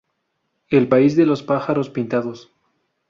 El País de los Pájaros Pintados.